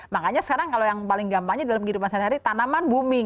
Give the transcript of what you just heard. makanya sekarang kalau yang paling gampangnya dalam kehidupan sehari hari tanaman booming